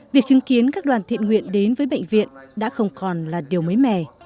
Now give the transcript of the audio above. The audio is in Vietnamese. việc chứng kiến các đoàn thiện nguyện đến với bệnh viện đã không còn là điều mới mẻ